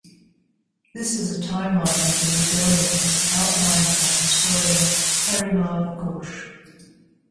This is a timeline of the rebellion as outlined by historian Parimal Ghosh.